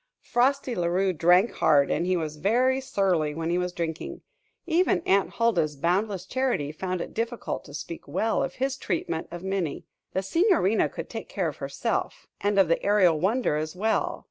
Frosty La Rue drank hard, and he was very surly when he was drinking. Even Aunt Huldah's boundless charity found it difficult to speak well of his treatment of Minnie. The Signorina could take care of herself and of the Aerial Wonder as well.